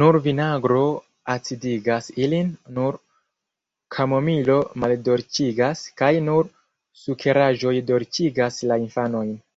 Nur vinagro acidigas ilin, nur kamomilo maldolĉigas, kaj nur sukeraĵoj dolĉigas la infanojn.